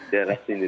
di arah sini